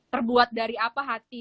terbuat dari apa hati